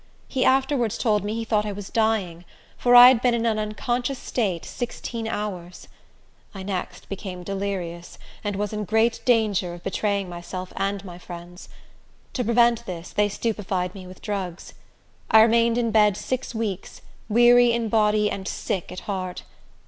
He afterwards told me he thought I was dying, for I had been in an unconscious state sixteen hours. I next became delirious, and was in great danger of betraying myself and my friends. To prevent this, they stupefied me with drugs. I remained in bed six weeks, weary in body and sick at heart.